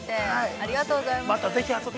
◆ありがとうございます。